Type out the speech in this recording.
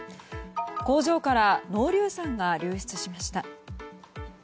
工場から濃硫酸が流出しました。